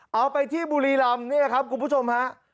เอาไปที่บุรีรำเนี่ยครับคุณผู้ชมฮะ